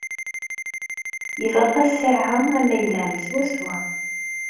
Yebɣa ssaεa am ayla-m swaswa.